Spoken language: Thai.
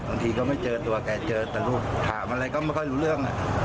บางทีก็ไม่เจอตัวแกเจอแต่ลูกถามอะไรก็ไม่ค่อยรู้เรื่อง